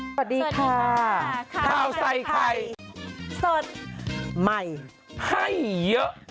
สวัสดีค่ะข่าวใส่ไข่เสิร์ชใหม่เยอะ